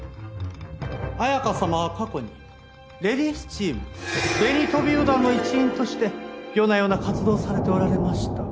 綾香様は過去にレディースチーム紅トビウオ団の一員として夜な夜な活動されておられました。